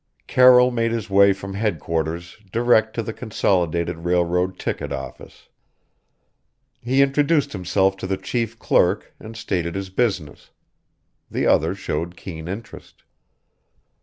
Carroll made his way from headquarters direct to the consolidated railroad ticket office. He introduced himself to the chief clerk and stated his business. The other showed keen interest.